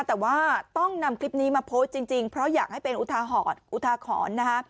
แต่ว่าต้องนำคลิปนี้มาโพสต์จริงเพราะอยากให้เป็นอุทาขอน